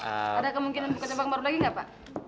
ada kemungkinan buka jam baru lagi gak pak